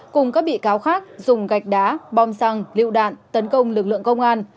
cùng các bị cáo khác dùng gạch đá bom xăng lựu đạn tấn công lực lượng công an